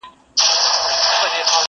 چا چي کړي پر مظلوم باندي ظلمونه!